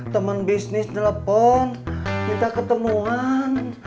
teman bisnis telepon minta ketemuan